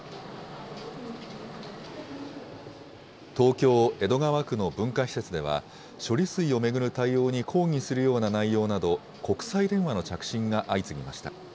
東京・江戸川区の文化施設では、処理水を巡る対応に抗議するような内容など、国際電話の着信が相次ぎました。